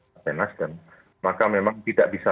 pak benas maka memang tidak bisa